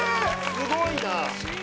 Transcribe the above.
すごいな。